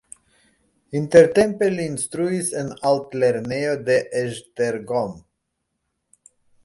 Intertempe li instruis en altlernejo de Esztergom.